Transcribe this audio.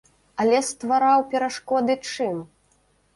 Але ствараў перашкоды чым?